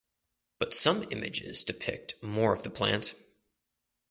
But some images depict more of the plant.